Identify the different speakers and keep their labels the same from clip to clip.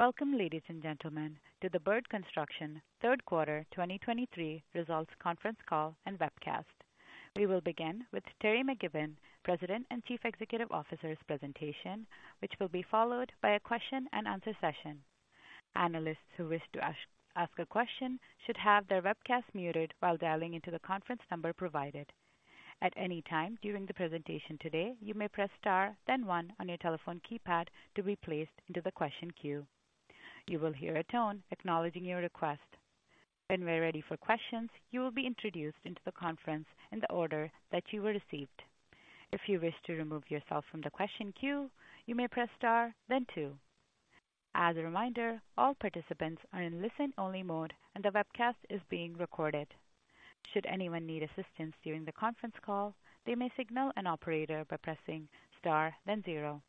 Speaker 1: Welcome, ladies and gentlemen, to the Bird Construction third quarter 2023 results conference call and webcast. We will begin with Teri McKibbon, President and Chief Executive Officer's presentation, which will be followed by a question and answer session. Analysts who wish to ask a question should have their webcast muted while dialing into the conference number provided. At any time during the presentation today, you may press star, then one on your telephone keypad to be placed into the question queue. You will hear a tone acknowledging your request. When we're ready for questions, you will be introduced into the conference in the order that you were received. If you wish to remove yourself from the question queue, you may press star, then two. As a reminder, all participants are in listen-only mode and the webcast is being recorded. Should anyone need assistance during the conference call, they may signal an operator by pressing star, then zero.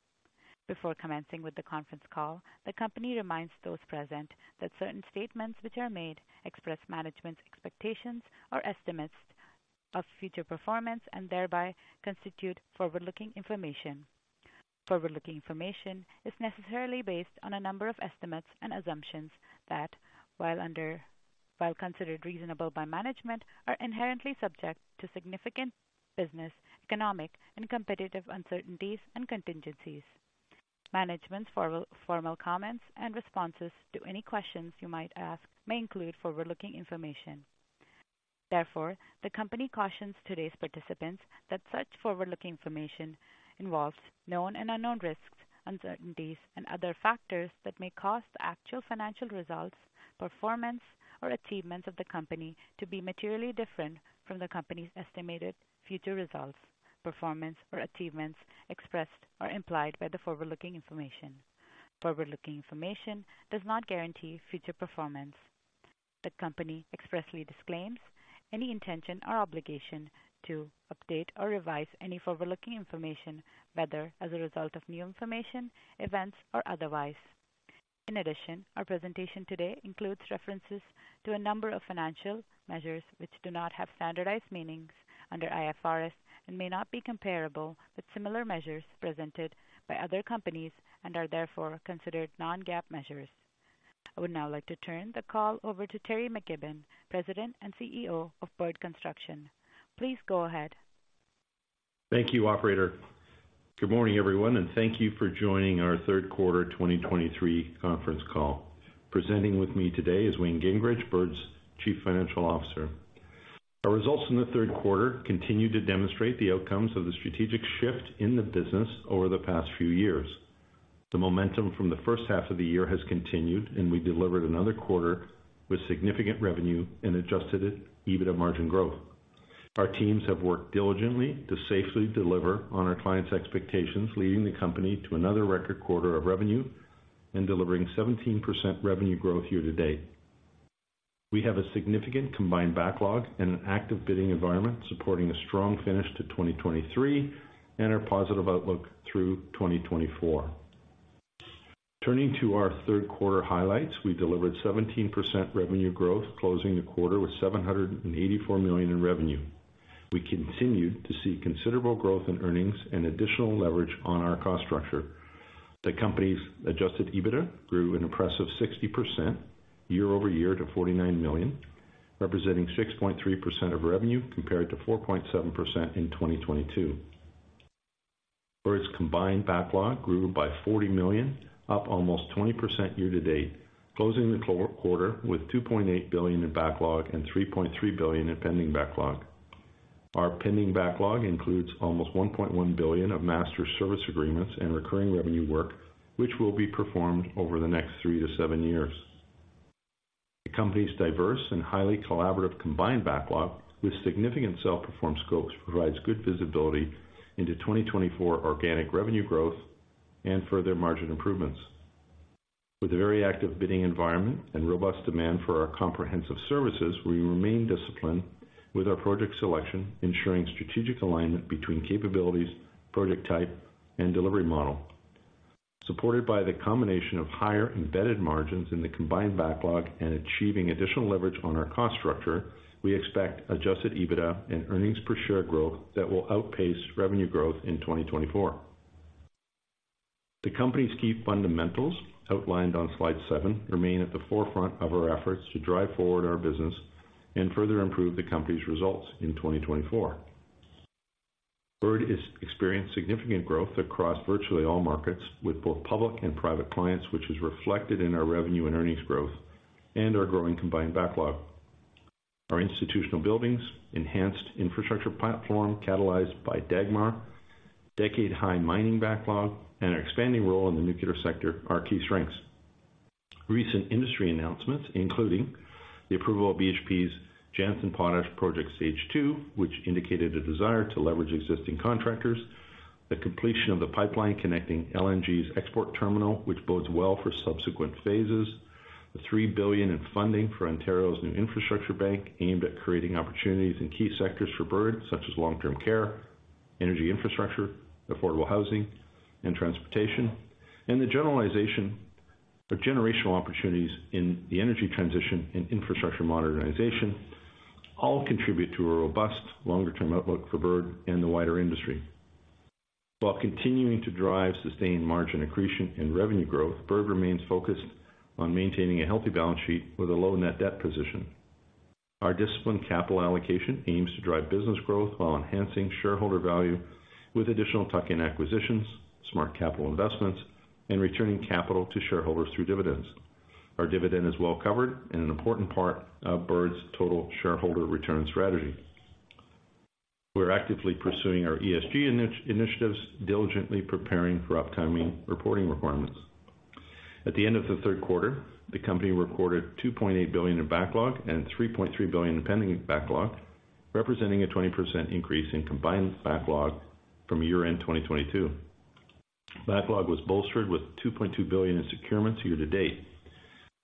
Speaker 1: Before commencing with the conference call, the company reminds those present that certain statements which are made express management's expectations or estimates of future performance and thereby constitute forward-looking information. Forward-looking information is necessarily based on a number of estimates and assumptions that, while considered reasonable by management, are inherently subject to significant business, economic, and competitive uncertainties and contingencies. Management's formal comments and responses to any questions you might ask may include forward-looking information. Therefore, the company cautions today's participants that such forward-looking information involves known and unknown risks, uncertainties, and other factors that may cause the actual financial results, performance, or achievements of the company to be materially different from the company's estimated future results, performance or achievements expressed or implied by the forward-looking information. Forward-looking information does not guarantee future performance. The company expressly disclaims any intention or obligation to update or revise any forward-looking information, whether as a result of new information, events, or otherwise. In addition, our presentation today includes references to a number of financial measures, which do not have standardized meanings under IFRS and may not be comparable with similar measures presented by other companies and are therefore considered non-GAAP measures. I would now like to turn the call over to Teri McKibbon, President and CEO of Bird Construction. Please go ahead.
Speaker 2: Thank you, operator. Good morning, everyone, and thank you for joining our third quarter 2023 conference call. Presenting with me today is Wayne Gingrich, Bird's Chief Financial Officer. Our results in the third quarter continued to demonstrate the outcomes of the strategic shift in the business over the past few years. The momentum from the first half of the year has continued, and we delivered another quarter with significant revenue and Adjusted EBITDA margin growth. Our teams have worked diligently to safely deliver on our clients' expectations, leading the company to another record quarter of revenue and delivering 17% revenue growth year to date. We have a significant combined backlog and an active bidding environment, supporting a strong finish to 2023 and our positive outlook through 2024. Turning to our third quarter highlights, we delivered 17% revenue growth, closing the quarter with 784 million in revenue. We continued to see considerable growth in earnings and additional leverage on our cost structure. The company's Adjusted EBITDA grew an impressive 60% year-over-year to 49 million, representing 6.3% of revenue, compared to 4.7% in 2022, where its combined backlog grew by 40 million, up almost 20% year-to-date, closing the quarter with 2.8 billion in backlog and 3.3 billion in pending backlog. Our pending backlog includes almost 1.1 billion of master service agreements and recurring revenue work, which will be performed over the next three-seven years. The company's diverse and highly collaborative combined backlog, with significant self-performed scopes, provides good visibility into 2024 organic revenue growth and further margin improvements. With a very active bidding environment and robust demand for our comprehensive services, we remain disciplined with our project selection, ensuring strategic alignment between capabilities, project type, and delivery model. Supported by the combination of higher embedded margins in the combined backlog and achieving additional leverage on our cost structure, we expect Adjusted EBITDA and earnings per share growth that will outpace revenue growth in 2024. The company's key fundamentals, outlined on Slide 7, remain at the forefront of our efforts to drive forward our business and further improve the company's results in 2024. Bird is experienced significant growth across virtually all markets with both public and private clients, which is reflected in our revenue and earnings growth and our growing combined backlog. Our institutional buildings, enhanced infrastructure platform catalyzed by Dagmar, decade-high mining backlog, and our expanding role in the nuclear sector are key strengths. Recent industry announcements, including the approval of BHP's Jansen Potash Project stage two, which indicated a desire to leverage existing contractors, the completion of the pipeline connecting LNG's export terminal, which bodes well for subsequent phases, the 3 billion in funding for Ontario Infrastructure Bank, aimed at creating opportunities in key sectors for Bird, such as long-term care, energy infrastructure, affordable housing, and transportation, and the generational opportunities in the energy transition and infrastructure modernization all contribute to a robust longer-term outlook for Bird and the wider industry. While continuing to drive sustained margin accretion and revenue growth, Bird remains focused on maintaining a healthy balance sheet with a low net debt position. Our disciplined capital allocation aims to drive business growth while enhancing shareholder value with additional tuck-in acquisitions, smart capital investments, and returning capital to shareholders through dividends. Our dividend is well covered and an important part of Bird's total shareholder return strategy. We're actively pursuing our ESG initiatives, diligently preparing for upcoming reporting requirements. At the end of the third quarter, the company recorded 2.8 billion in backlog and 3.3 billion in pending backlog, representing a 20% increase in combined backlog from year-end 2022. Backlog was bolstered with 2.2 billion in securements year to date.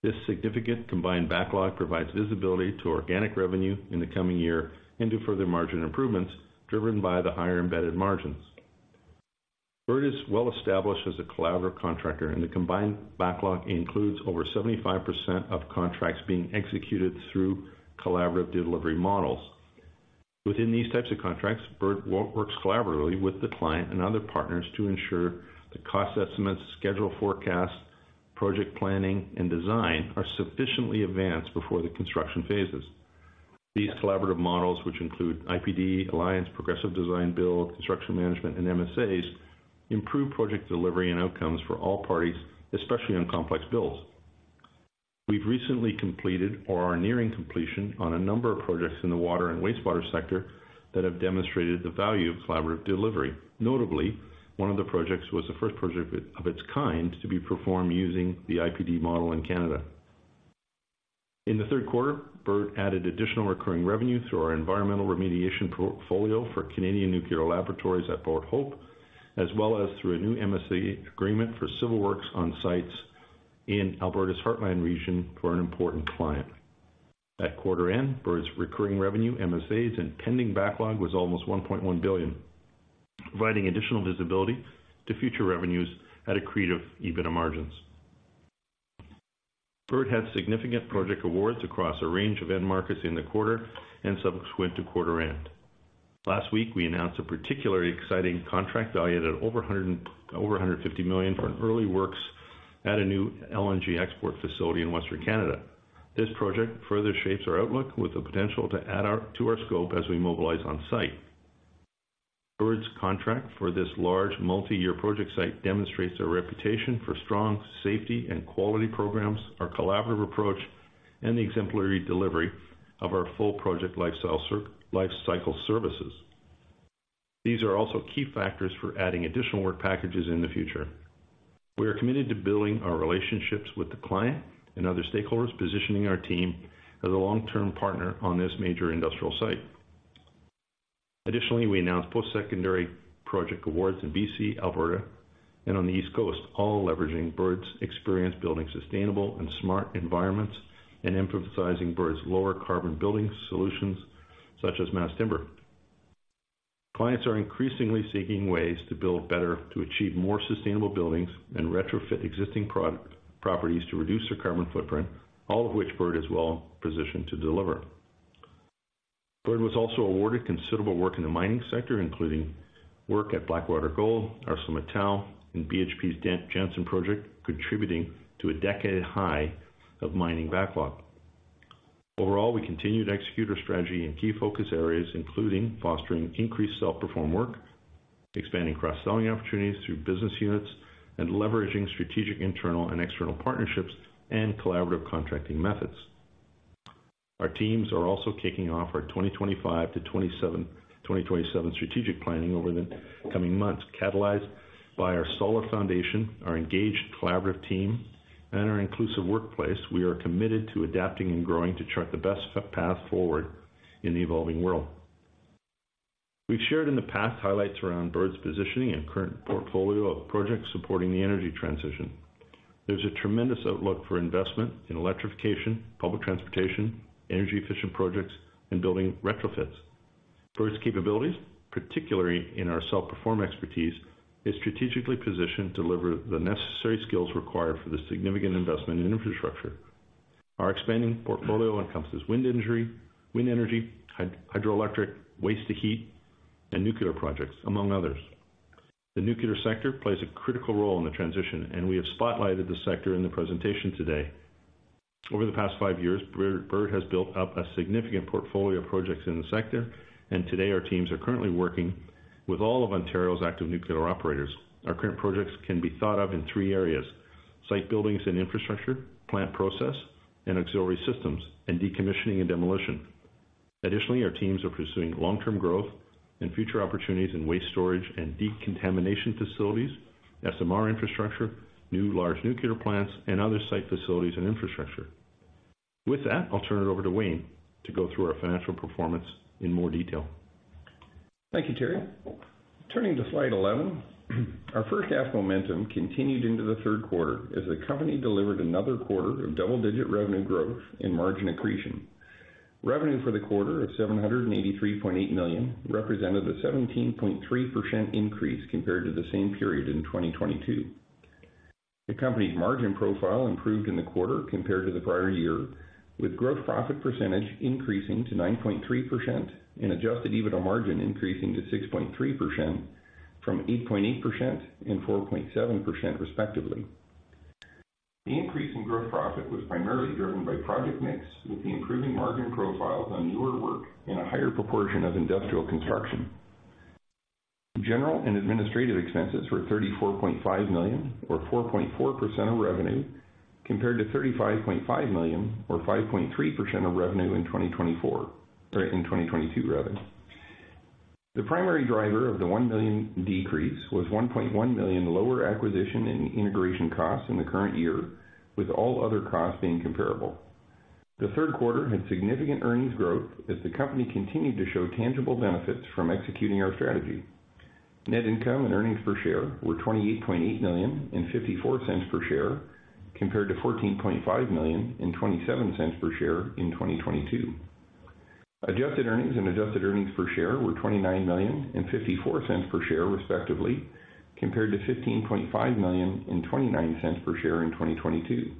Speaker 2: This significant combined backlog provides visibility to organic revenue in the coming year and to further margin improvements, driven by the higher embedded margins. Bird is well established as a collaborative contractor, and the combined backlog includes over 75% of contracts being executed through collaborative delivery models. Within these types of contracts, Bird works collaboratively with the client and other partners to ensure the cost estimates, schedule forecasts, project planning, and design are sufficiently advanced before the construction phases. These collaborative models, which include IPD, Alliance, Progressive Design-Build, Construction Management, and MSAs, improve project delivery and outcomes for all parties, especially on complex builds. We've recently completed or are nearing completion on a number of projects in the water and wastewater sector that have demonstrated the value of collaborative delivery. Notably, one of the projects was the first project of its kind to be performed using the IPD model in Canada. In the third quarter, Bird added additional recurring revenue through our environmental remediation portfolio for Canadian Nuclear Laboratories at Port Hope, as well as through a new MSA agreement for civil works on sites in Alberta's Heartland region for an important client. At quarter end, Bird's recurring revenue, MSAs, and pending backlog was almost 1.1 billion, providing additional visibility to future revenues at accretive EBITDA margins. Bird had significant project awards across a range of end markets in the quarter and subsequent to quarter end. Last week, we announced a particularly exciting contract valued at over 150 million for an early works at a new LNG export facility in Western Canada. This project further shapes our outlook with the potential to add to our scope as we mobilize on site. Bird's contract for this large, multi-year project site demonstrates a reputation for strong safety and quality programs, our collaborative approach, and the exemplary delivery of our full project lifecycle services. These are also key factors for adding additional work packages in the future. We are committed to building our relationships with the client and other stakeholders, positioning our team as a long-term partner on this major industrial site. Additionally, we announced post-secondary project awards in BC, Alberta, and on the East Coast, all leveraging Bird's experience building sustainable and smart environments and emphasizing Bird's lower carbon building solutions, such as mass timber. Clients are increasingly seeking ways to build better, to achieve more sustainable buildings, and retrofit existing properties to reduce their carbon footprint, all of which Bird is well positioned to deliver. Bird was also awarded considerable work in the mining sector, including work at Blackwater Gold, ArcelorMittal, and BHP's Jansen project, contributing to a decade high of mining backlog. Overall, we continued to execute our strategy in key focus areas, including fostering increased self-perform work, expanding cross-selling opportunities through business units, and leveraging strategic, internal and external partnerships, and collaborative contracting methods. Our teams are also kicking off our 2025-2027 strategic planning over the coming months, catalyzed by our solid foundation, our engaged, collaborative team, and our inclusive workplace. We are committed to adapting and growing to chart the best path forward in the evolving world. We've shared in the past, highlights around Bird's positioning and current portfolio of projects supporting the energy transition. There's a tremendous outlook for investment in electrification, public transportation, energy efficient projects, and building retrofits. Bird's capabilities, particularly in our self-perform expertise, is strategically positioned to deliver the necessary skills required for the significant investment in infrastructure. Our expanding portfolio encompasses wind energy, hydroelectric, waste to heat, and nuclear projects, among others. The nuclear sector plays a critical role in the transition, and we have spotlighted the sector in the presentation today. Over the past five years, Bird has built up a significant portfolio of projects in the sector, and today our teams are currently working with all of Ontario's active nuclear operators. Our current projects can be thought of in three areas: site buildings and infrastructure, plant process and auxiliary systems, and decommissioning and demolition. Additionally, our teams are pursuing long-term growth and future opportunities in waste storage and decontamination facilities, SMR infrastructure, new large nuclear plants, and other site facilities and infrastructure. With that, I'll turn it over to Wayne to go through our financial performance in more detail.
Speaker 3: Thank you, Teri. Turning to Slide 11, our first half momentum continued into the third quarter as the company delivered another quarter of double-digit revenue growth and margin accretion. Revenue for the quarter of 783.8 million represented a 17.3% increase compared to the same period in 2022. The company's margin profile improved in the quarter compared to the prior year, with gross profit percentage increasing to 9.3% and Adjusted EBITDA margin increasing to 6.3% from 8.8% and 4.7%, respectively. The increase in gross profit was primarily driven by project mix, with the improving margin profiles on newer work and a higher proportion of industrial construction. General and administrative expenses were 34.5 million, or 4.4% of revenue, compared to 35.5 million or 5.3% of revenue in 2022, rather. The primary driver of the 1 million decrease was 1.1 million lower acquisition and integration costs in the current year, with all other costs being comparable. The third quarter had significant earnings growth as the company continued to show tangible benefits from executing our strategy. Net income and earnings per share were CAD 28.8 million and 0.54 per share, compared to CAD 14.5 million and 0.27 per share in 2022. Adjusted earnings and Adjusted earnings per share were CAD 29 million and 0.54 per share, respectively, compared to CAD 15.5 million and 0.29 per share in 2022.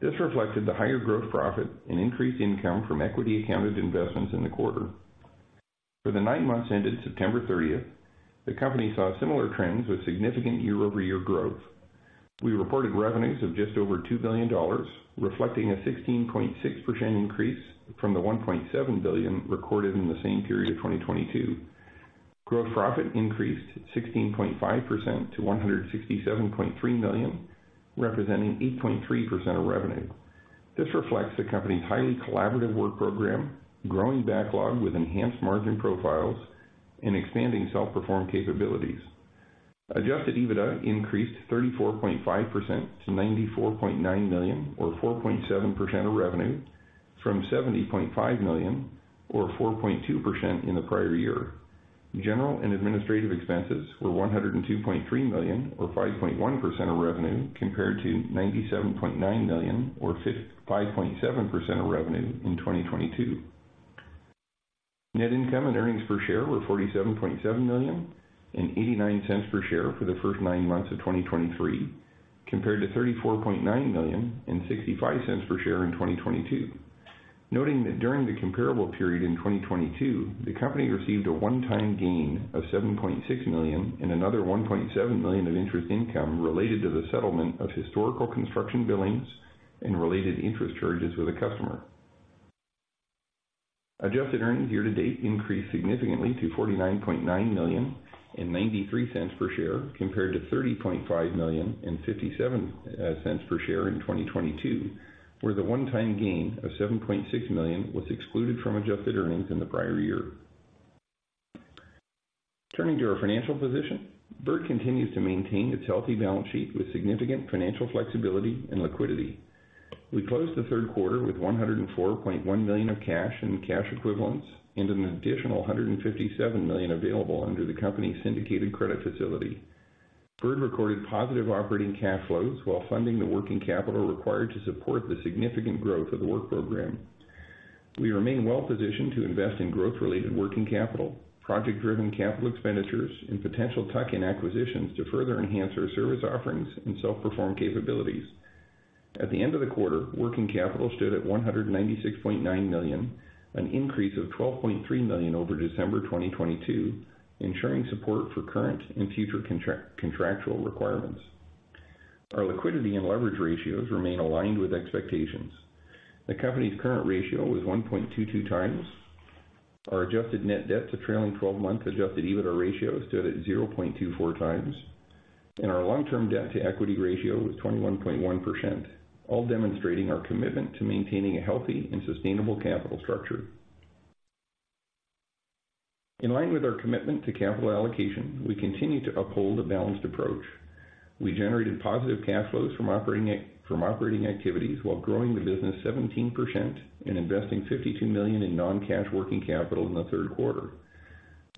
Speaker 3: This reflected the higher gross profit and increased income from equity accounted investments in the quarter. For the nine months ended September 30th, the company saw similar trends with significant year-over-year growth. We reported revenues of just over 2 billion dollars, reflecting a 16.6% increase from the 1.7 billion recorded in the same period of 2022. Gross profit increased 16.5% to 167.3 million, representing 8.3% of revenue. This reflects the company's highly collaborative work program, growing backlog with enhanced margin profiles, and expanding self-performed capabilities. Adjusted EBITDA increased 34.5% to 94.9 million, or 4.7% of revenue, from 70.5 million, or 4.2% in the prior year. General and administrative expenses were 102.3 million, or 5.1% of revenue, compared to 97.9 million, or 55.7% of revenue in 2022. Net income and earnings per share were 47.7 million and 0.89 per share for the first nine months of 2023, compared to 34.9 million and 0.65 per share in 2022. Noting that during the comparable period in 2022, the company received a one-time gain of 7.6 million and another 1.7 million of interest income related to the settlement of historical construction billings and related interest charges with a customer. Adjusted earnings year to date increased significantly to 49.9 million and 0.93 per share, compared to 30.5 million and 0.57 per share in 2022, where the one-time gain of 7.6 million was excluded from Adjusted earnings in the prior year. Turning to our financial position, Bird continues to maintain its healthy balance sheet with significant financial flexibility and liquidity. We closed the third quarter with 104.1 million of cash and cash equivalents, and an additional 157 million available under the company's syndicated credit facility. Bird recorded positive operating cash flows while funding the working capital required to support the significant growth of the work program. We remain well positioned to invest in growth-related working capital, project-driven capital expenditures, and potential tuck-in acquisitions to further enhance our service offerings and self-perform capabilities. At the end of the quarter, working capital stood at 196.9 million, an increase of 12.3 million over December 2022, ensuring support for current and future contractual requirements. Our liquidity and leverage ratios remain aligned with expectations. The company's current ratio was 1.22 times. Our adjusted net debt to trailing twelve-month Adjusted EBITDA ratio stood at 0.24 times, and our long-term debt to equity ratio was 21.1%, all demonstrating our commitment to maintaining a healthy and sustainable capital structure. In line with our commitment to capital allocation, we continue to uphold a balanced approach. We generated positive cash flows from operating activities while growing the business 17% and investing 52 million in non-cash working capital in the third quarter.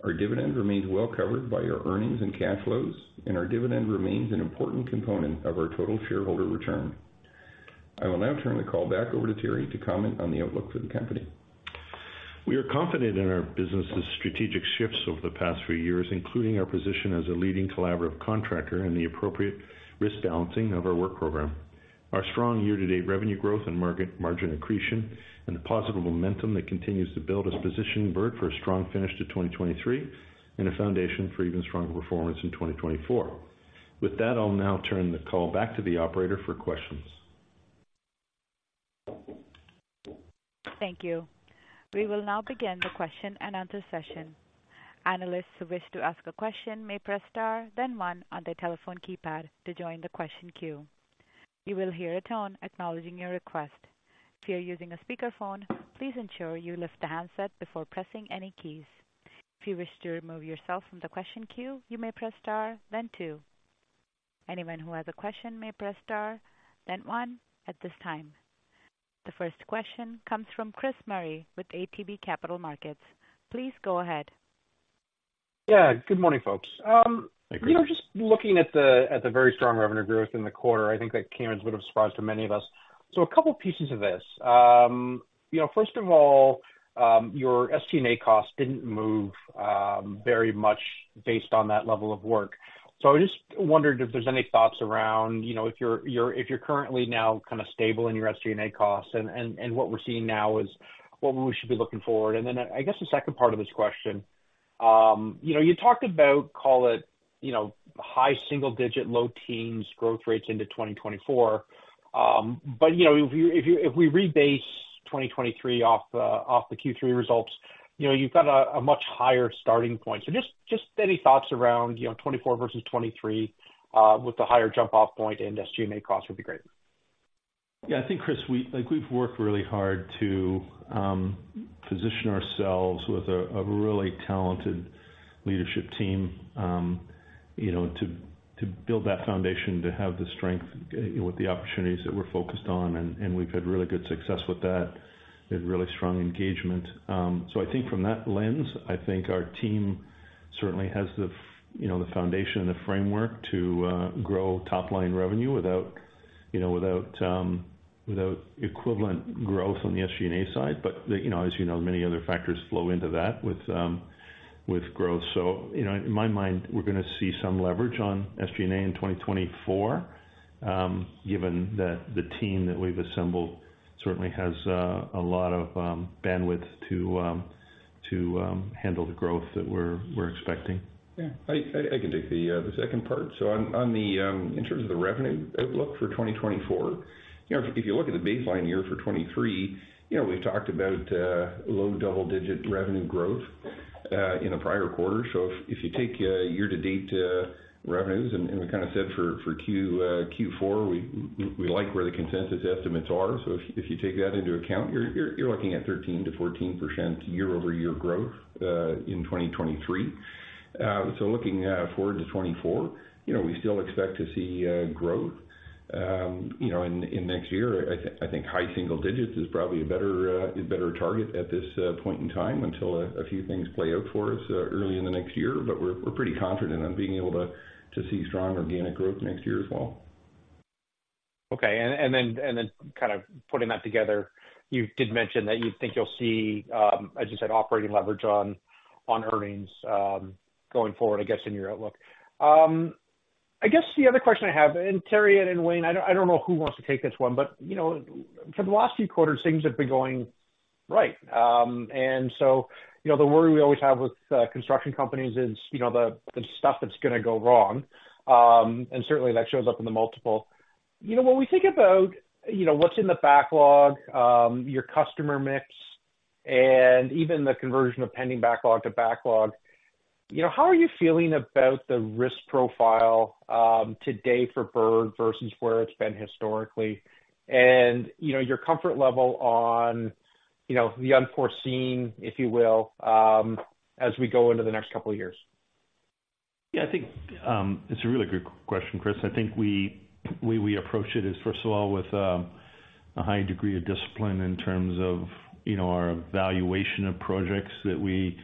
Speaker 3: Our dividend remains well covered by our earnings and cash flows, and our dividend remains an important component of our total shareholder return. I will now turn the call back over to Teri to comment on the outlook for the company.
Speaker 2: We are confident in our business's strategic shifts over the past few years, including our position as a leading collaborative contractor and the appropriate risk balancing of our work program. Our strong year-to-date revenue growth and margin accretion and the positive momentum that continues to build, has positioned Bird for a strong finish to 2023 and a foundation for even stronger performance in 2024. With that, I'll now turn the call back to the operator for questions.
Speaker 1: Thank you. We will now begin the question and answer session. Analysts who wish to ask a question may press star, then one on their telephone keypad to join the question queue. You will hear a tone acknowledging your request. If you are using a speakerphone, please ensure you lift the handset before pressing any keys. If you wish to remove yourself from the question queue, you may press star, then two. Anyone who has a question may press star, then one at this time. The first question comes from Chris Murray with ATB Capital Markets. Please go ahead.
Speaker 4: Yeah, Good morning, folks. You know, just looking at the very strong revenue growth in the quarter, I think that came as a bit of a surprise to many of us. So a couple pieces of this. You know, first of all, your SG&A costs didn't move very much based on that level of work. So I just wondered if there's any thoughts around, you know, if you're currently now kind of stable in your SG&A costs and what we're seeing now is what we should be looking forward. And then, I guess the second part of this question, you know, you talked about call it, you know, high single digit, low teens growth rates into 2024. But, you know, if we rebase 2023 off the Q3 results, you know, you've got a much higher starting point. So just any thoughts around, you know, 2024 versus 2023, with the higher jump-off point and SG&A costs would be great.
Speaker 2: Yeah, I think, Chris, we like, we've worked really hard to position ourselves with a really talented leadership team, you know, to build that foundation, to have the strength with the opportunities that we're focused on, and we've had really good success with that, with really strong engagement. So I think from that lens, I think our team certainly has you know, the foundation and the framework to grow top-line revenue without, you know, without equivalent growth on the SG&A side. But, you know, as you know, many other factors flow into that with growth. So, you know, in my mind, we're gonna see some leverage on SG&A in 2024, given that the team that we've assembled certainly has a lot of bandwidth to handle the growth that we're expecting.
Speaker 3: Yeah, I can take the second part. So, in terms of the revenue outlook for 2024, you know, if you look at the baseline year for 2023, you know, we've talked about low double-digit revenue growth in the prior quarter. So if you take year-to-date revenues, and we kind of said for Q4, we like where the consensus estimates are. So if you take that into account, you're looking at 13%-14% year-over-year growth in 2023. So looking forward to 2024, you know, we still expect to see growth, you know, in next year. I think high single digits is probably a better target at this point in time until a few things play out for us early in the next year. But we're pretty confident on being able to see strong organic growth next year as well.
Speaker 4: Okay. And then kind of putting that together, you did mention that you think you'll see, as you said, operating leverage on earnings going forward, I guess, in your outlook. I guess the other question I have, and Teri and Wayne, I don't know who wants to take this one, but you know, for the last few quarters, things have been going right. And so, you know, the worry we always have with construction companies is, you know, the stuff that's gonna go wrong, and certainly that shows up in the multiple. You know, when we think about, you know, what's in the backlog, your customer mix, and even the conversion of pending backlog to backlog, you know, how are you feeling about the risk profile today for Bird versus where it's been historically? You know, your comfort level on, you know, the unforeseen, if you will, as we go into the next couple of years.
Speaker 2: Yeah, I think it's a really good question, Chris. I think we approach it as first of all, with a high degree of discipline in terms of, you know, our valuation of projects that we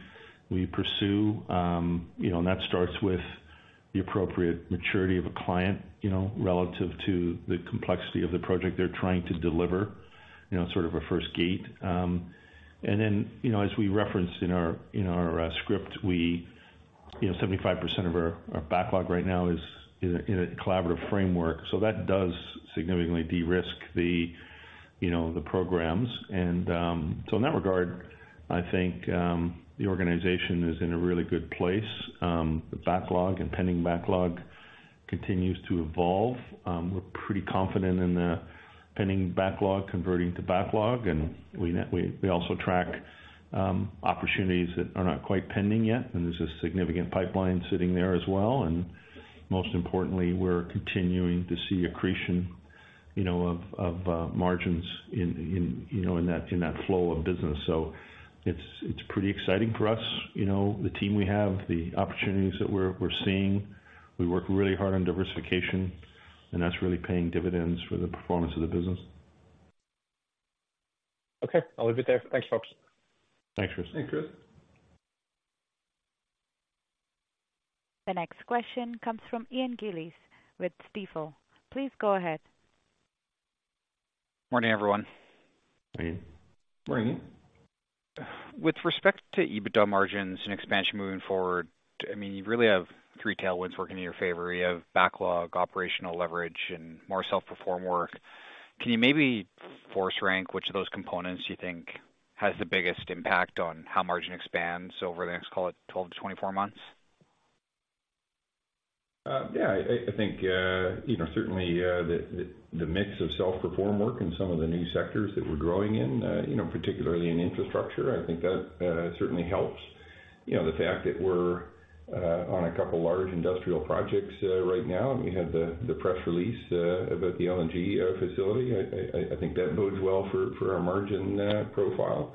Speaker 2: pursue. You know, and that starts with the appropriate maturity of a client, you know, relative to the complexity of the project they're trying to deliver, you know, sort of a first gate. And then, you know, as we referenced in our script, we you know, 75% of our backlog right now is in a collaborative framework, so that does significantly de-risk the, you know, the programs. And so in that regard, I think the organization is in a really good place. The backlog and pending backlog continues to evolve. We're pretty confident in the pending backlog converting to backlog, and we also track opportunities that are not quite pending yet, and there's a significant pipeline sitting there as well. And most importantly, we're continuing to see accretion, you know, of margins in, you know, in that flow of business. So it's pretty exciting for us, you know, the team we have, the opportunities that we're seeing. We work really hard on diversification, and that's really paying dividends for the performance of the business.
Speaker 4: Okay, I'll leave it there. Thanks, folks.
Speaker 2: Thanks, Chris.
Speaker 3: Thanks, Chris.
Speaker 1: The next question comes from Ian Gillies with Stifel. Please go ahead.
Speaker 5: Morning, everyone.
Speaker 2: Morning.
Speaker 3: Morning.
Speaker 5: With respect to EBITDA margins and expansion moving forward, I mean, you really have three tailwinds working in your favor. You have backlog, operational leverage, and more self-perform work. Can you maybe force rank which of those components you think has the biggest impact on how margin expands over the next, call it, 12-24 months?
Speaker 3: Yeah, I think, you know, certainly the mix of self-perform work in some of the new sectors that we're growing in, you know, particularly in infrastructure, I think that certainly helps. You know, the fact that we're on a couple large industrial projects right now, and we had the press release about the LNG facility. I think that bodes well for our margin profile.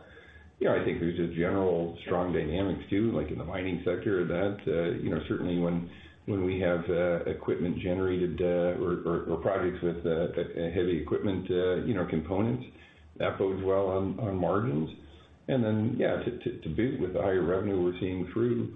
Speaker 3: You know, I think there's a general strong dynamics, too, like in the mining sector, that, you know, certainly when we have equipment generated or projects with heavy equipment, you know, components, that bodes well on margins. And then, yeah, to boot with the higher revenue we're seeing through,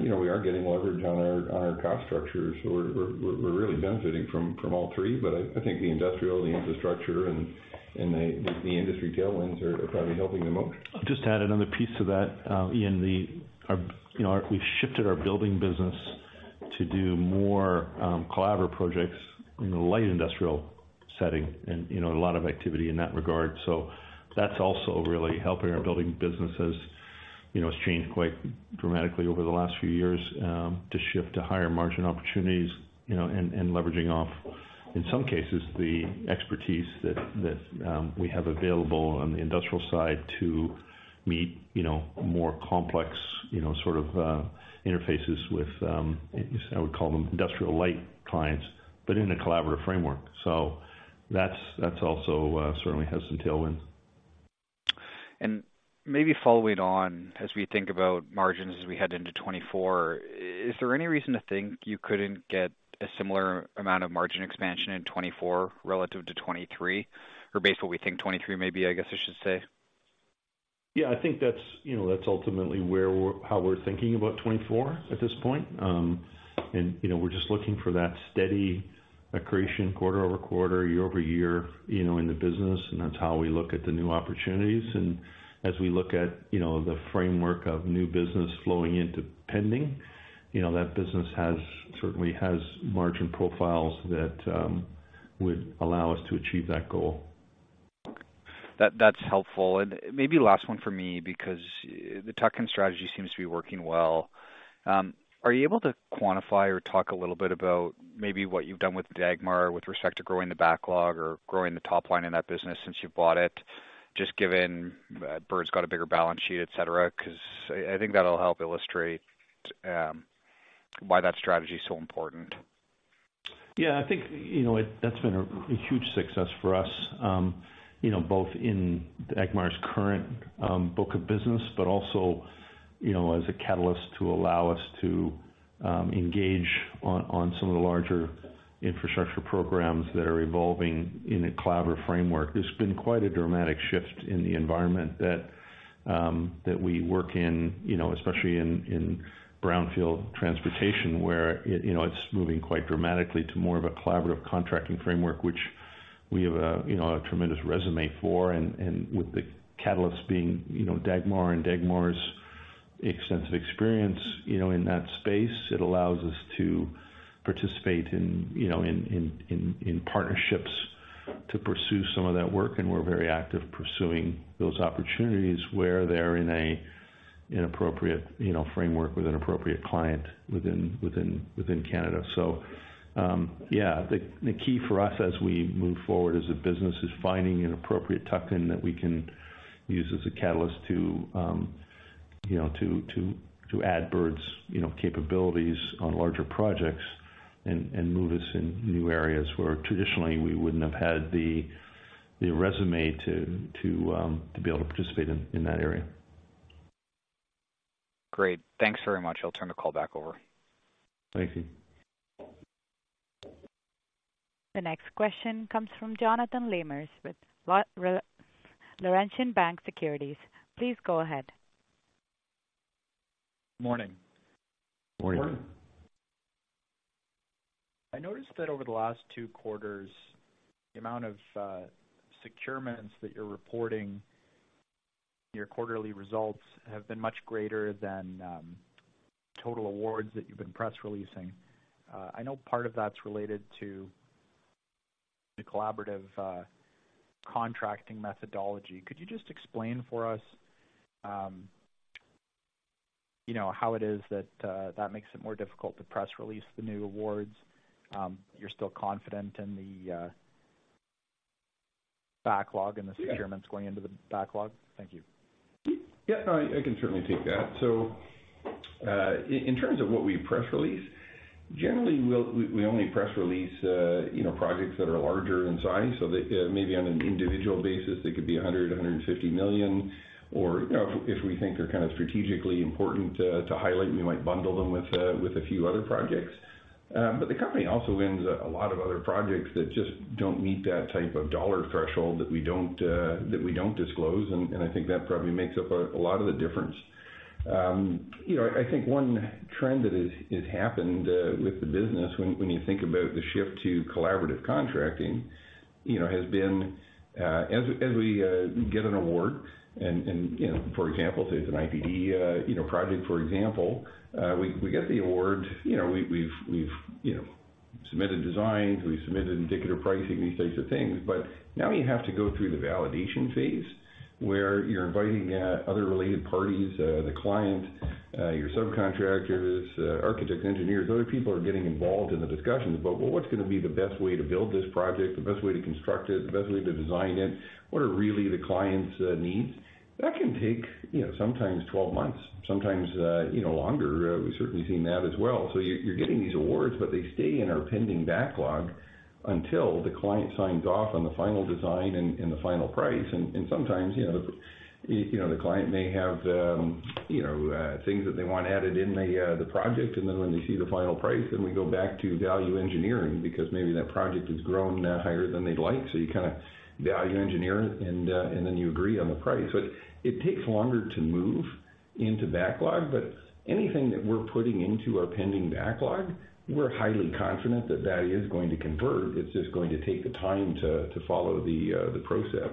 Speaker 3: you know, we are getting leverage on our cost structure. So we're really benefiting from all three, but I think the industrial, the infrastructure, and the industry tailwinds are probably helping the most.
Speaker 2: I'll just add another piece to that. Ian, our you know, we've shifted our building business to do more collaborative projects in the light industrial setting and, you know, a lot of activity in that regard. So that's also really helping our building businesses. You know, it's changed quite dramatically over the last few years to shift to higher margin opportunities, you know, and leveraging off, in some cases, the expertise that we have available on the industrial side to meet, you know, more complex, you know, sort of interfaces with I would call them industrial light clients, but in a collaborative framework. So that's also certainly has some tailwind.
Speaker 5: Maybe following on as we think about margins as we head into 2024, is there any reason to think you couldn't get a similar amount of margin expansion in 2024 relative to 2023, or based on what we think 2023 may be, I guess I should say?
Speaker 2: Yeah, I think that's, you know, that's ultimately where we're, how we're thinking about 2024 at this point. And, you know, we're just looking for that steady accretion quarter-over-quarter, year-over-year, you know, in the business, and that's how we look at the new opportunities. And as we look at, you know, the framework of new business flowing into pending, you know, that business has, certainly has margin profiles that would allow us to achieve that goal.
Speaker 5: That, that's helpful. And maybe last one for me, because the tuck-in strategy seems to be working well. Are you able to quantify or talk a little bit about maybe what you've done with Dagmar with respect to growing the backlog or growing the top line in that business since you've bought it, just given Bird's got a bigger balance sheet, et cetera? Because I, I think that'll help illustrate, why that strategy is so important.
Speaker 2: Yeah, I think, you know, it-- that's been a, a huge success for us, you know, both in Dagmar's current, book of business, but also, you know, as a catalyst to allow us to, engage on, on some of the larger infrastructure programs that are evolving in a collaborative framework. There's been quite a dramatic shift in the environment that, that we work in, you know, especially in, in brownfield transportation, where it, you know, it's moving quite dramatically to more of a collaborative contracting framework, which we have a, you know, a tremendous resume for. And with the catalysts being, you know, Dagmar and Dagmar's extensive experience, you know, in that space, it allows us to participate in, you know, partnerships to pursue some of that work, and we're very active pursuing those opportunities where they're in an appropriate, you know, framework with an appropriate client within Canada. So, yeah, the key for us as we move forward as a business is finding an appropriate tuck-in that we can use as a catalyst to, you know, add Bird's, you know, capabilities on larger projects and move us in new areas where traditionally we wouldn't have had the resume to be able to participate in that area.
Speaker 5: Great. Thanks very much. I'll turn the call back over.
Speaker 2: Thank you.
Speaker 1: The next question comes from Jonathan Lamers with Laurentian Bank Securities. Please go ahead.
Speaker 6: Morning.
Speaker 2: Morning.
Speaker 3: Morning.
Speaker 6: I noticed that over the last two quarters, the amount of securements that you're reporting, your quarterly results have been much greater than total awards that you've been press releasing. I know part of that's related to the collaborative contracting methodology. Could you just explain for us, you know, how it is that that makes it more difficult to press release the new awards? You're still confident in the backlog and the securements going into the backlog? Thank you.
Speaker 3: Yeah, I can certainly take that. So, in terms of what we press release, generally, we only press release, you know, projects that are larger in size. So they maybe on an individual basis, they could be 100 million, 150 million, or, you know, if we think they're kind of strategically important to highlight, we might bundle them with a few other projects. But the company also wins a lot of other projects that just don't meet that type of dollar threshold that we don't disclose, and I think that probably makes up a lot of the difference. You know, I think one trend that has happened with the business when you think about the shift to collaborative contracting, you know, has been as we get an award and, you know, for example, say it's an IPD project, for example, we get the award, you know, we've submitted designs, we've submitted indicative pricing, these types of things. But now we have to go through the validation phase, where you're inviting other related parties, the client, your subcontractors, architects, engineers. Other people are getting involved in the discussions about what's gonna be the best way to build this project, the best way to construct it, the best way to design it, what are really the client's needs. That can take, you know, sometimes 12 months, sometimes, you know, longer. We've certainly seen that as well. So you, you're getting these awards, but they stay in our pending backlog until the client signs off on the final design and the final price. And sometimes, you know, you know, the client may have, you know, things that they want added in the project, and then when they see the final price, then we go back to value engineering because maybe that project has grown higher than they'd like. So you kinda value engineer it, and, and then you agree on the price. But it takes longer to move into backlog, but anything that we're putting into our pending backlog, we're highly confident that that is going to convert. It's just going to take the time to follow the process.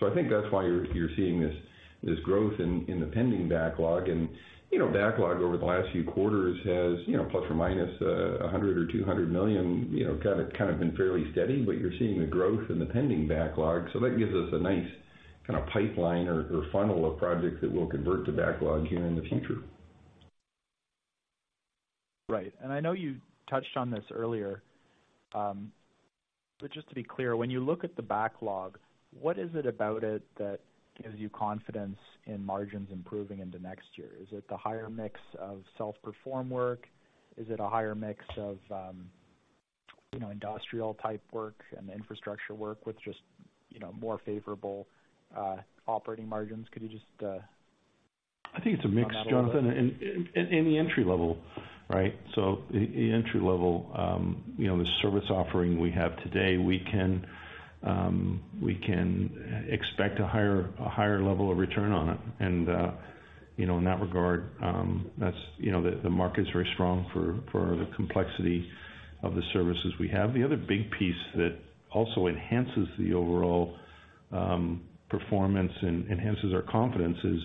Speaker 2: So I think that's why you're, you're seeing this, this growth in, in the pending backlog. And, you know, backlog over the last few quarters has, you know, plus or minus 100 or 200 million, you know, kind of, kind of been fairly steady, but you're seeing the growth in the pending backlog. So that gives us a nice kinda pipeline or, or funnel of projects that will convert to backlog here in the future.
Speaker 6: Right. And I know you touched on this earlier, but just to be clear, when you look at the backlog, what is it about it that gives you confidence in margins improving into next year? Is it the higher mix of self-perform work? Is it a higher mix of, you know, industrial-type work and infrastructure work with just, you know, more favorable operating margins? Could you just.
Speaker 2: I think it's a mix, Jonathan, and in the entry level, right? So in the entry level, you know, the service offering we have today, we can expect a higher level of return on it. And you know, in that regard, that's you know, the market's very strong for the complexity of the services we have. The other big piece that also enhances the overall performance and enhances our confidence is,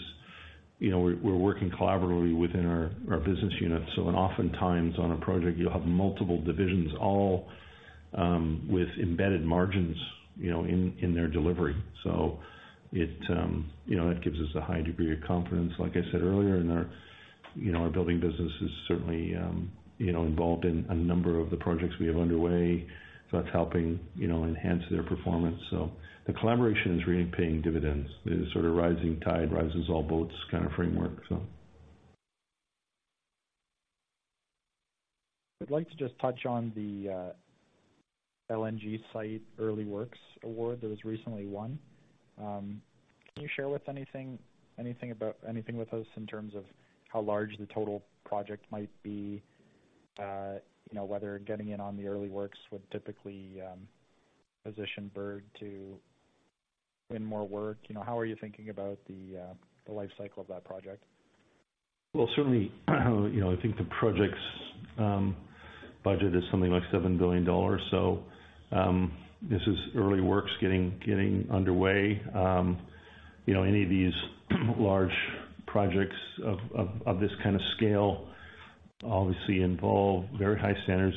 Speaker 2: you know, we're working collaboratively within our business units. So oftentimes on a project, you'll have multiple divisions, all with embedded margins, you know, in their delivery. So it you know, that gives us a high degree of confidence. Like I said earlier, in our, you know, our building business is certainly, you know, involved in a number of the projects we have underway, so that's helping, you know, enhance their performance. So the collaboration is really paying dividends. The sort of rising tide rises all boats kind of framework, so.
Speaker 6: I'd like to just touch on the LNG site early works award that was recently won. Can you share with anything, anything about anything with us in terms of how large the total project might be? You know, whether getting in on the early works would typically position Bird to win more work. You know, how are you thinking about the the life cycle of that project?
Speaker 2: Well, certainly, you know, I think the project's budget is something like 7 billion dollars. So, this is early works getting underway. You know, any of these large projects of this kind of scale obviously involve very high standards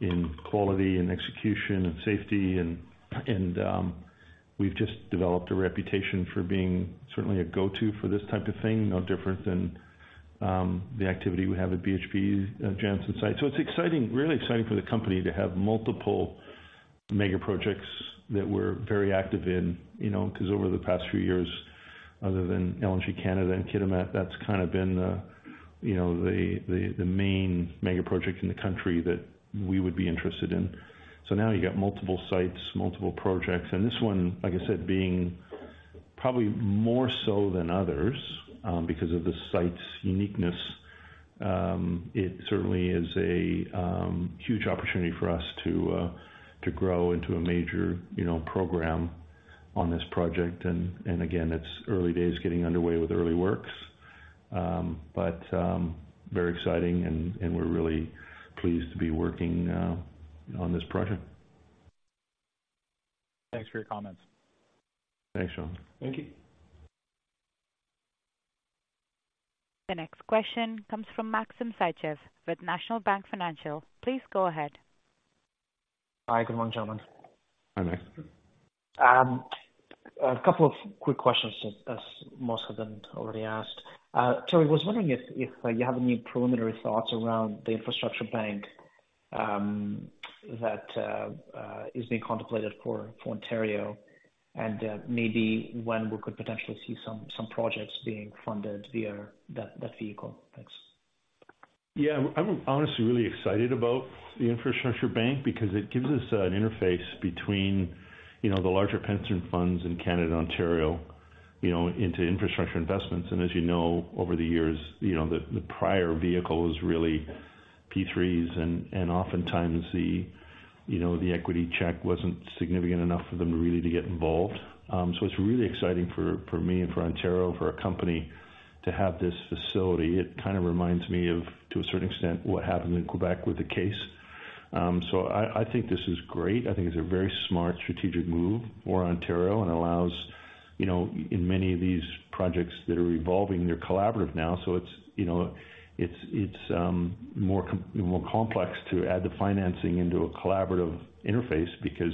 Speaker 2: in quality and execution and safety. And we've just developed a reputation for being certainly a go-to for this type of thing, no different than the activity we have at BHP Jansen site. So it's exciting, really exciting for the company to have multiple mega projects that we're very active in, you know, 'cause over the past few years, other than LNG Canada and Kitimat, that's kind of been the main mega project in the country that we would be interested in. So now you've got multiple sites, multiple projects, and this one, like I said, being probably more so than others, because of the site's uniqueness, it certainly is a huge opportunity for us to grow into a major, you know, program on this project. And again, it's early days getting underway with early works. But very exciting, and we're really pleased to be working on this project.
Speaker 6: Thanks for your comments.
Speaker 2: Thanks, Jonathan.
Speaker 6: Thank you.
Speaker 1: The next question comes from Maxim Sytchev with National Bank Financial. Please go ahead.
Speaker 7: Hi, good morning, gentlemen.
Speaker 2: Hi, Maxim.
Speaker 7: A couple of quick questions, as most have been already asked. Terry, I was wondering if you have any preliminary thoughts around the infrastructure bank that is being contemplated for Ontario, and maybe when we could potentially see some projects being funded via that vehicle? Thanks.
Speaker 2: Yeah. I'm honestly really excited about the infrastructure bank because it gives us an interface between, you know, the larger pension funds in Canada and Ontario, you know, into infrastructure investments. And as you know, over the years, you know, the prior vehicle was really P3s, and oftentimes the equity check wasn't significant enough for them really to get involved. So it's really exciting for me and for Ontario, for our company to have this facility. It kind of reminds me of, to a certain extent, what happened in Quebec with the Caisse. So I think this is great. I think it's a very smart strategic move for Ontario and allows, you know, in many of these projects that are evolving, they're collaborative now, so it's, you know, more complex to add the financing into a collaborative interface, because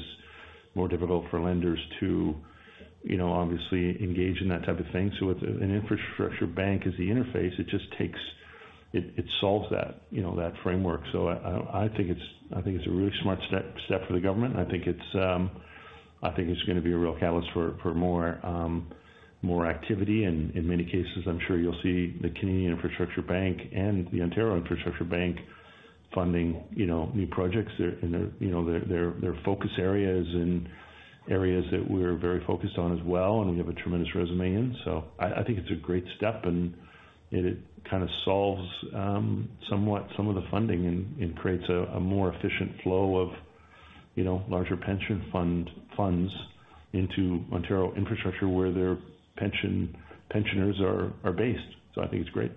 Speaker 2: more difficult for lenders to, you know, obviously engage in that type of thing. So with an infrastructure bank as the interface, it just takes it solves that, you know, that framework. So I think it's, I think it's a really smart step for the government. I think it's gonna be a real catalyst for more activity. And in many cases, I'm sure you'll see the Canadian Infrastructure Bank and the Ontario Infrastructure Bank funding, you know, new projects. And, you know, their focus areas and areas that we're very focused on as well, and we have a tremendous resume in. So I think it's a great step, and it kind of solves somewhat some of the funding and creates a more efficient flow of, you know, larger pension funds into Ontario infrastructure, where their pensioners are based. So I think it's great.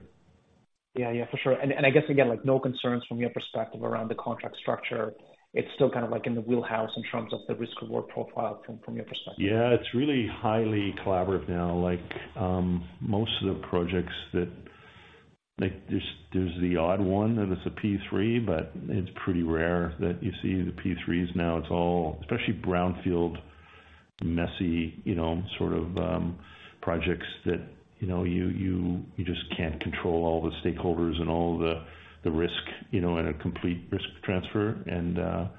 Speaker 7: Yeah, yeah, for sure. And I guess again, like, no concerns from your perspective around the contract structure, it's still kind of, like, in the wheelhouse in terms of the risk/reward profile from, from your perspective?
Speaker 2: Yeah, it's really highly collaborative now. Like, most of the projects that, like, there's the odd one, and it's a P3, but it's pretty rare that you see the P3s now. It's all especially brownfield, messy, you know, sort of, projects that, you know, you, you, you just can't control all the stakeholders and all the risk, you know, in a complete risk transfer. And,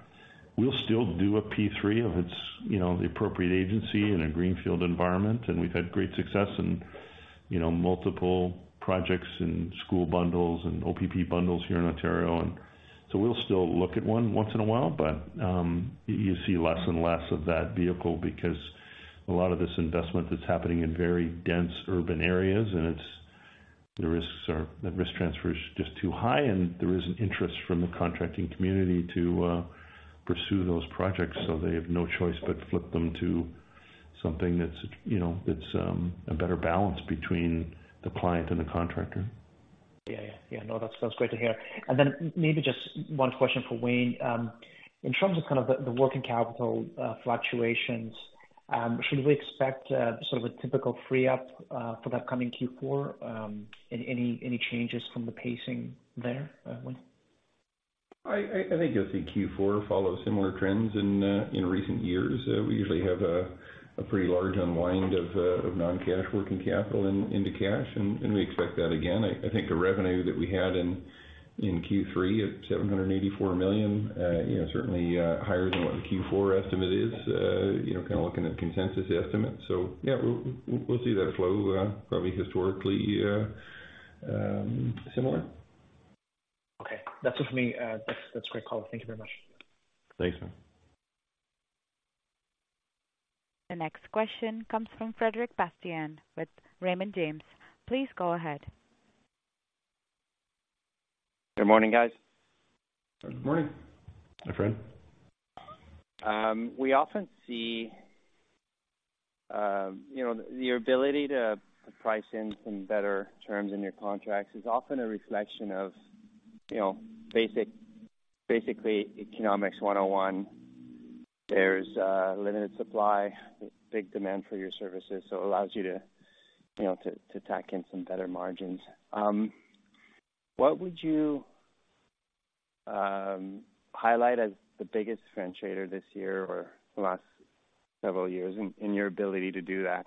Speaker 2: we'll still do a P3 if it's, you know, the appropriate agency in a greenfield environment, and we've had great success in, you know, multiple projects and school bundles and OPP bundles here in Ontario. And so we'll still look at one once in a while, but, you see less and less of that vehicle because a lot of this investment is happening in very dense urban areas, and it's the risks are. The risk transfer is just too high, and there is an interest from the contracting community to pursue those projects, so they have no choice but flip them to something that's, you know, that's a better balance between the client and the contractor.
Speaker 7: Yeah. Yeah, yeah. No, that's, that's great to hear. And then maybe just one question for Wayne. In terms of kind of the working capital, fluctuations, should we expect sort of a typical free up for the upcoming Q4? Any changes from the pacing there, Wayne?
Speaker 3: I think you'll see Q4 follow similar trends in recent years. We usually have a pretty large unwind of non-cash working capital into cash, and we expect that again. I think the revenue that we had in Q3 at 784 million, you know, certainly higher than what the Q4 estimate is, you know, kind of looking at consensus estimates. So yeah, we'll see that flow, probably historically similar.
Speaker 7: Okay. That's it for me. That's, that's a great call. Thank you very much.
Speaker 3: Thanks, man.
Speaker 1: The next question comes from Frederic Bastien with Raymond James. Please go ahead.
Speaker 8: Good morning, guys.
Speaker 3: Good morning.
Speaker 2: Hi, Fred.
Speaker 8: We often see, you know, the ability to price in some better terms in your contracts is often a reflection of, you know, basically Economics 101. There's limited supply, big demand for your services, so it allows you to, you know, to tack in some better margins. What would you highlight as the biggest differentiator this year or the last several years in your ability to do that?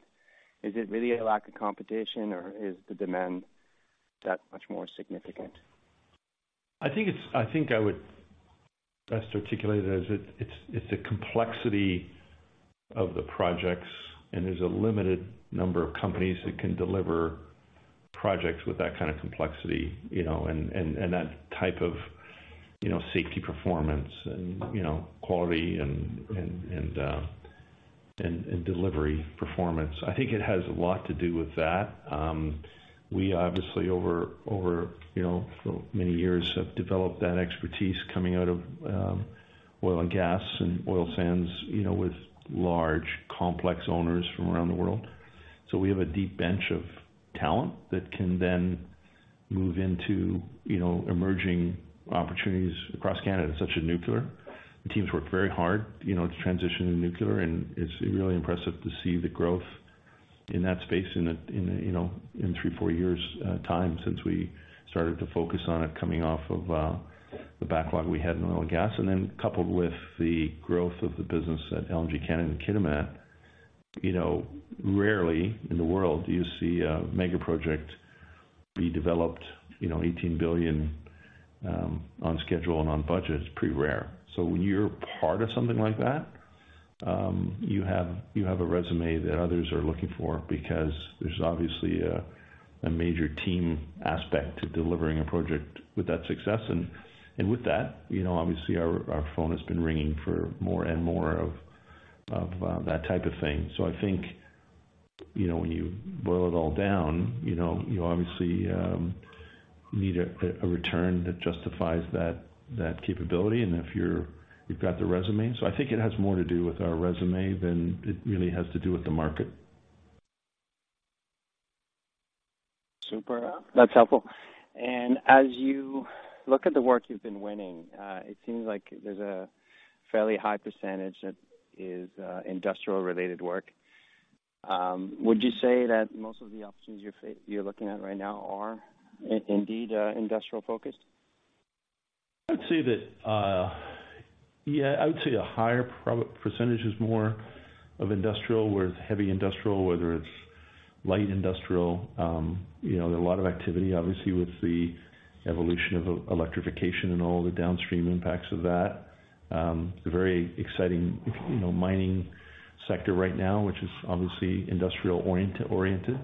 Speaker 8: Is it really a lack of competition, or is the demand that much more significant?
Speaker 2: I think I would best articulate it as it's the complexity of the projects, and there's a limited number of companies that can deliver projects with that kind of complexity, you know, and that type of, you know, safety performance and, you know, quality and delivery performance. I think it has a lot to do with that. We obviously, over, you know, many years, have developed that expertise coming out of oil and gas and oil sands, you know, with large, complex owners from around the world. So we have a deep bench of talent that can then move into, you know, emerging opportunities across Canada, such as nuclear. The teams work very hard, you know, to transition to nuclear, and it's really impressive to see the growth in that space in three, four years time since we started to focus on it coming off of the backlog we had in oil and gas, and then coupled with the growth of the business at LNG Canada and Kitimat. You know, rarely in the world do you see a mega project be developed, you know, 18 billion on schedule and on budget. It's pretty rare. So when you're part of something like that, you have a resume that others are looking for because there's obviously a major team aspect to delivering a project with that success. And with that, you know, obviously our phone has been ringing for more and more of that type of thing. So I think, you know, when you boil it all down, you know, you obviously need a return that justifies that capability, and if you've got the resume. So I think it has more to do with our resume than it really has to do with the market.
Speaker 8: Super. That's helpful. And as you look at the work you've been winning, it seems like there's a fairly high percentage that is industrial-related work. Would you say that most of the opportunities you're looking at right now are indeed industrial focused?
Speaker 2: I'd say that. Yeah, I would say a higher percentage is more of industrial, whether it's heavy industrial, whether it's light industrial. You know, there are a lot of activity, obviously, with the evolution of electrification and all the downstream impacts of that. A very exciting, you know, mining sector right now, which is obviously industrial oriented.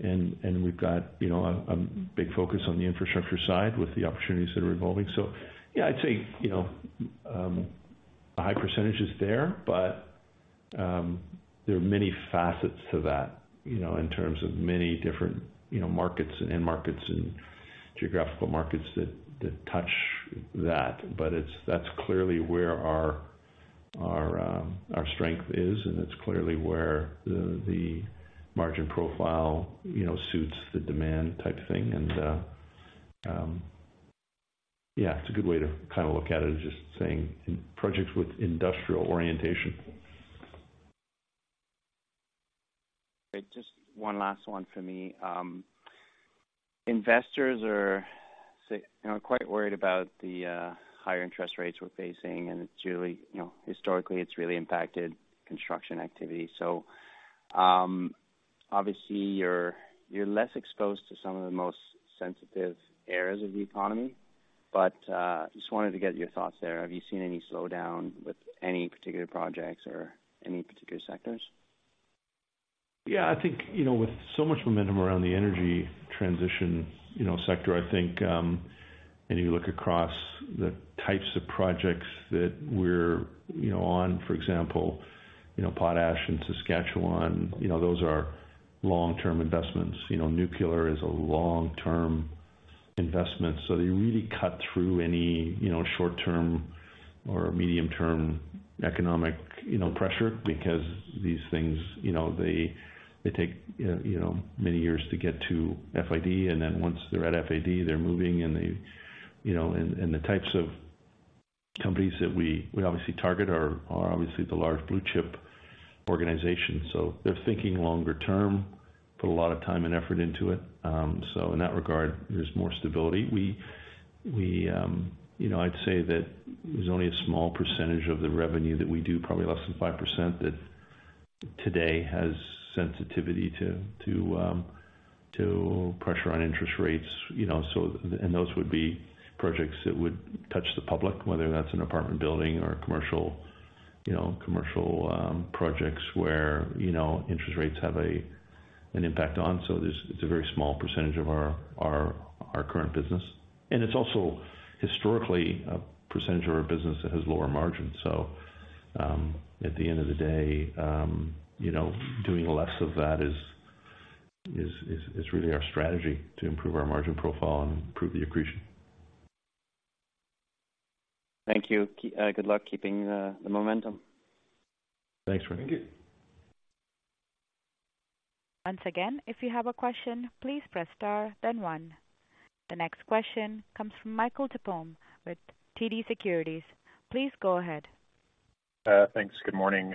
Speaker 2: And we've got, you know, a big focus on the infrastructure side with the opportunities that are evolving. So yeah, I'd say, you know, a high percentage is there, but there are many facets to that, you know, in terms of many different, you know, markets and end markets and geographical markets that touch that. But that's clearly where our strength is, and it's clearly where the margin profile, you know, suits the demand type thing. Yeah, it's a good way to kind of look at it, is just saying projects with industrial orientation.
Speaker 8: Great. Just one last one for me. Investors are, say, you know, quite worried about the higher interest rates we're facing, and it's really, you know, historically, it's really impacted construction activity. So, obviously, you're less exposed to some of the most sensitive areas of the economy, but just wanted to get your thoughts there. Have you seen any slowdown with any particular projects or any particular sectors?
Speaker 2: Yeah, I think, you know, with so much momentum around the energy transition, you know, sector, I think, and you look across the types of projects that we're, you know, on, for example, you know, potash in Saskatchewan, you know, those are long-term investments. You know, nuclear is a long-term investment. So they really cut through any, you know, short-term or medium-term economic, you know, pressure because these things, you know, they, they take, you know, many years to get to FID. And then once they're at FID, they're moving and they, you know. And, and the types of companies that we, we obviously target are, are obviously the large blue chip organizations. So they're thinking longer term, put a lot of time and effort into it. So in that regard, there's more stability. You know, I'd say that there's only a small percentage of the revenue that we do, probably less than 5%, that today has sensitivity to pressure on interest rates, you know, so and those would be projects that would touch the public, whether that's an apartment building or a commercial, you know, commercial projects where, you know, interest rates have an impact on. So it's a very small percentage of our current business, and it's also historically a percentage of our business that has lower margins. So, at the end of the day, you know, doing less of that is really our strategy to improve our margin profile and improve the accretion.
Speaker 8: Thank you. Good luck keeping the momentum.
Speaker 2: Thanks, Ric.
Speaker 9: Thank you.
Speaker 1: Once again, if you have a question, please press star, then one. The next question comes from Michael Tupholme with TD Securities. Please go ahead.
Speaker 9: Thanks. Good morning.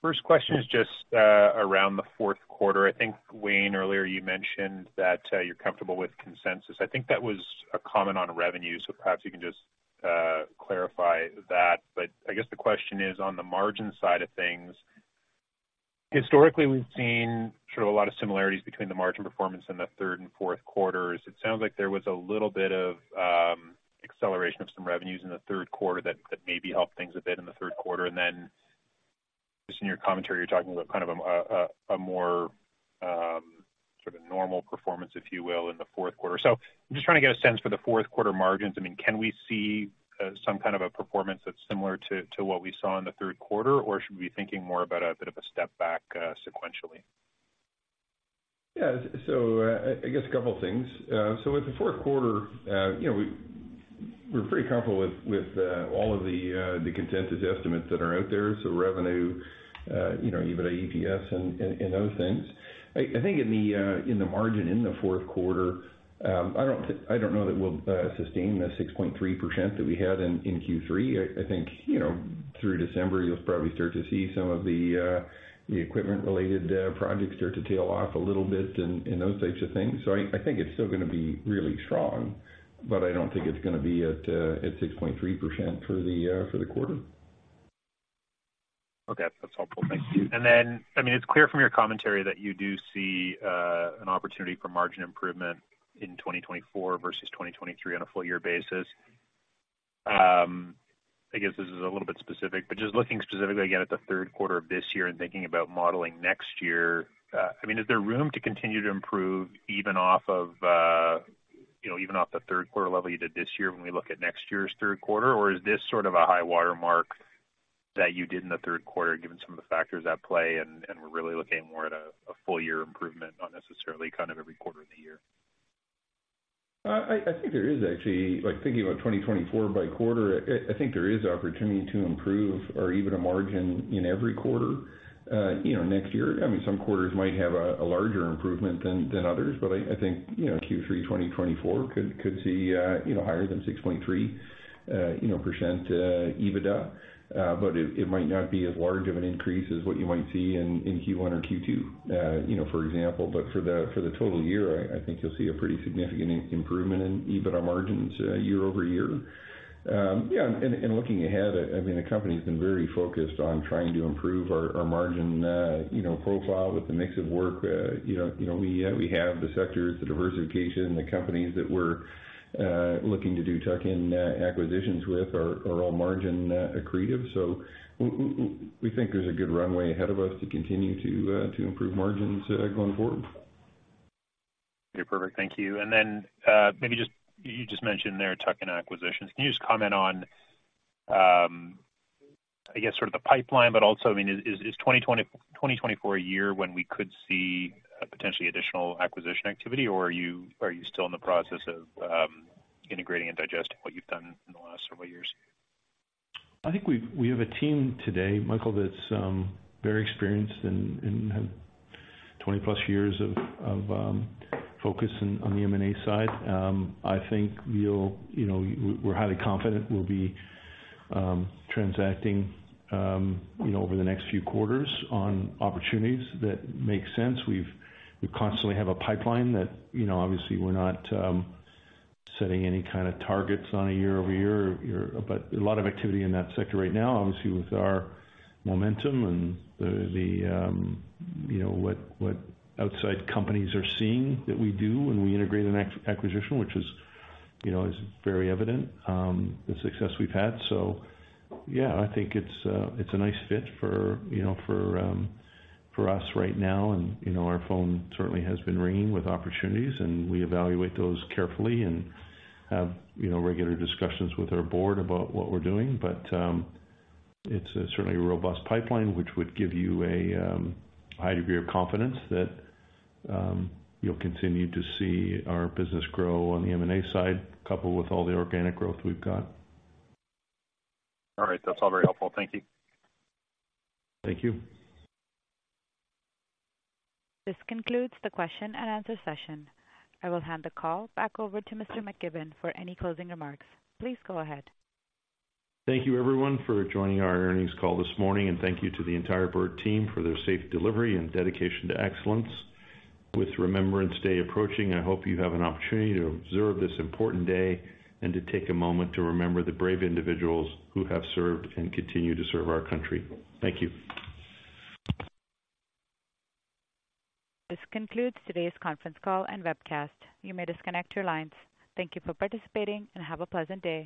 Speaker 9: First question is just around the fourth quarter. I think, Wayne, earlier you mentioned that you're comfortable with consensus. I think that was a comment on revenue, so perhaps you can just clarify that. But I guess the question is, on the margin side of things, historically, we've seen sort of a lot of similarities between the margin performance in the third and fourth quarters. It sounds like there was a little bit of acceleration of some revenues in the third quarter that maybe helped things a bit in the third quarter. And then, just in your commentary, you're talking about kind of a more sort of normal performance, if you will, in the fourth quarter. So I'm just trying to get a sense for the fourth quarter margins. I mean, can we see some kind of a performance that's similar to what we saw in the third quarter? Or should we be thinking more about a bit of a step back, sequentially?
Speaker 3: Yeah. So I guess a couple things. So with the fourth quarter, you know, we're pretty comfortable with all of the consensus estimates that are out there, so revenue, you know, EBITDA, EPS and those things. I think in the margin in the fourth quarter, I don't know that we'll sustain the 6.3% that we had in Q3. I think, you know, through December, you'll probably start to see some of the equipment-related projects start to tail off a little bit and those types of things. So I think it's still gonna be really strong, but I don't think it's gonna be at 6.3% for the quarter.
Speaker 9: Okay. That's helpful. Thank you. And then, I mean, it's clear from your commentary that you do see an opportunity for margin improvement in 2024 versus 2023 on a full year basis. I guess this is a little bit specific, but just looking specifically again, at the third quarter of this year and thinking about modeling next year, I mean, is there room to continue to improve even off of, you know, even off the third quarter level you did this year when we look at next year's third quarter? Or is this sort of a high-water mark that you did in the third quarter, given some of the factors at play, and we're really looking more at a full year improvement, not necessarily kind of every quarter of the year?
Speaker 3: I think there is actually, like, thinking about 2024 by quarter, I think there is opportunity to improve or even a margin in every quarter, you know, next year. I mean, some quarters might have a larger improvement than others, but I think, you know, Q3 2024 could see, you know, higher than 6.3%, you know, EBITDA. But it might not be as large of an increase as what you might see in Q1 or Q2, you know, for example. But for the total year, I think you'll see a pretty significant improvement in EBITDA margins, year-over-year. Yeah, and looking ahead, I mean, the company's been very focused on trying to improve our margin, you know, profile with the mix of work. You know, we have the sectors, the diversification, the companies that we're looking to do tuck-in acquisitions with are all margin accretive. So we think there's a good runway ahead of us to continue to improve margins going forward.
Speaker 9: Okay, perfect. Thank you. And then, maybe just. You just mentioned there tuck-in acquisitions. Can you just comment on, I guess, sort of the pipeline, but also, I mean, is 2024 a year when we could see, potentially additional acquisition activity? Or are you still in the process of integrating and digesting what you've done in the last several years?
Speaker 2: I think we have a team today, Michael, that's very experienced and have 20+ years of focus on the M&A side. I think we'll, you know, we're highly confident we'll be transacting, you know, over the next few quarters on opportunities that make sense. We've constantly have a pipeline that, you know, obviously, we're not setting any kind of targets on a year-over-year or year. But a lot of activity in that sector right now, obviously, with our momentum and the, you know, what outside companies are seeing that we do when we integrate an acquisition, which is, you know, is very evident the success we've had. So yeah, I think it's a nice fit for, you know, for us right now. And, you know, our phone certainly has been ringing with opportunities, and we evaluate those carefully and have, you know, regular discussions with our board about what we're doing. But, it's a certainly a robust pipeline, which would give you a high degree of confidence that you'll continue to see our business grow on the M&A side, coupled with all the organic growth we've got.
Speaker 9: All right. That's all very helpful. Thank you.
Speaker 2: Thank you.
Speaker 1: This concludes the question and answer session. I will hand the call back over to Mr. McKibbon for any closing remarks. Please go ahead.
Speaker 2: Thank you, everyone, for joining our earnings call this morning, and thank you to the entire Bird team for their safe delivery and dedication to excellence. With Remembrance Day approaching, I hope you have an opportunity to observe this important day and to take a moment to remember the brave individuals who have served and continue to serve our country. Thank you.
Speaker 1: This concludes today's conference call and webcast. You may disconnect your lines. Thank you for participating, and have a pleasant day.